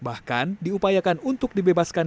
bahkan diupayakan untuk dibebaskan